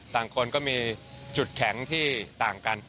คนก็มีจุดแข็งที่ต่างกัน